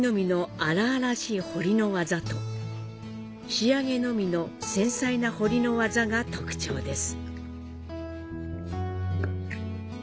仕上げのみの繊細な彫りの技が特徴です。